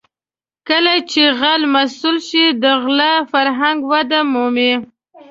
کله چې غل مسوول شي د غلا فرهنګ وده مومي.